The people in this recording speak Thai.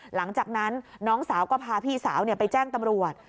หลังจากนั้นน้องสาวก็พาพี่สาวไปแจ้งตำรวจ